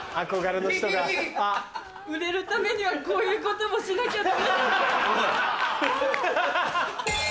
売れるためにはこういうこともしなきゃダメなんだ。